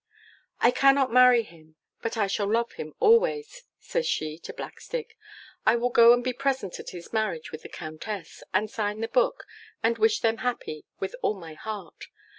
'I cannot marry him, but I shall love him always,' says she to Blackstick; 'I will go and be present at his marriage with the Countess, and sign the book, and wish them happy with all my heart.